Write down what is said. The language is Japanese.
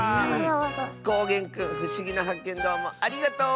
こうげんくんふしぎなはっけんどうもありがとう！